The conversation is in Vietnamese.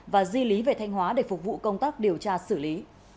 và di lý về thanh hóa để phục vụ công tác điều tra xử lý